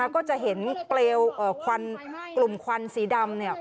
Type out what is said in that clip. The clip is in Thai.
ก็จะเห็นเปลวควันกลุ่มควันสีดำ